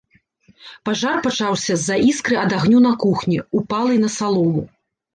Пажар пачаўся з-за іскры ад агню на кухні, упалай на салому.